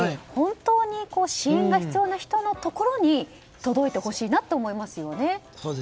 本当に支援が必要な人のところに届いてほしいなって思いますよね。